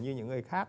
như những người khác